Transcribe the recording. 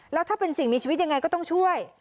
แล้วถ้าเป็นสิ่งมีชีวิตยังไงก็ต้องช่วย